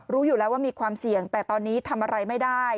รู้อยู่แล้วว่ามีความเสี่ยงแต่ตอนนี้ทำอะไรไม่ได้